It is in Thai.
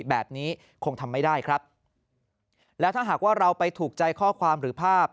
แบบนี้คงทำไม่ได้ครับแล้วถ้าหากว่าเราไปถูกใจข้อความหรือภาพ